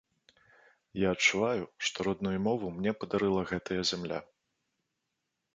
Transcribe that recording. Я адчуваю, што родную мову мне падарыла гэтая зямля.